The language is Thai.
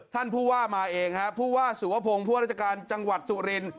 ท่านผู้ว่ามาเองฮะผู้ว่าสุวพงศ์ผู้ว่าราชการจังหวัดสุริน